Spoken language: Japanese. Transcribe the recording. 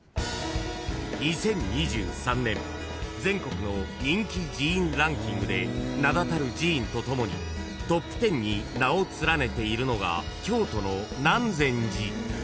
［２０２３年全国の人気寺院ランキングで名だたる寺院とともにトップ１０に名を連ねているのが京都の南禅寺］